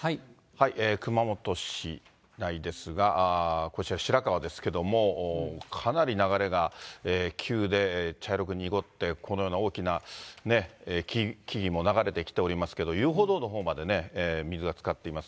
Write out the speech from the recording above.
熊本市内ですが、こちら白川ですけれども、かなり流れが急で、茶色く濁って、このような大きなね、木々も流れてきておりますけれども、遊歩道のほうまでね、水がつかっています。